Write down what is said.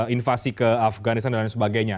invasi ke afganistan dan lain sebagainya